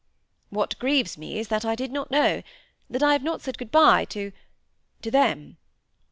"What grieves me is that I did not know—that I have not said good bye to—to them."